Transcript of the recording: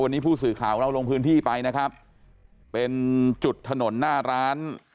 วันนี้ผู้สื่อข่าวของเราลงพื้นที่ไปนะครับเป็นจุดถนนหน้าร้าน